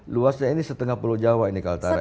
luasnya ini setengah pulau jawa ini kaltara